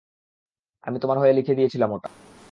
আমি তোমার হয়ে লিখে দিয়েছিলাম ওটা।